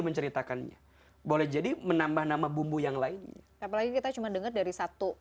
menceritakannya boleh jadi menambah nama bumbu yang lainnya apalagi kita cuma dengar dari satu